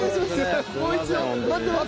もう一度待ってます。